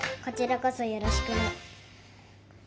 こちらこそよろしく。